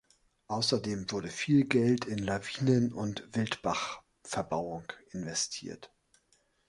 Außerdem wurde viel Geld in Lawinen- und Wildbachverbauung investiert.